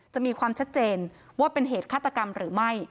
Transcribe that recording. จะมีความชัดเจนว่าเป็นเหตุฆาตกรรมหรือไม่